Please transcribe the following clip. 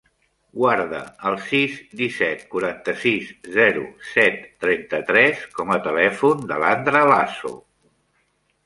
Guarda el sis, disset, quaranta-sis, zero, set, trenta-tres com a telèfon de l'Andra Lasso.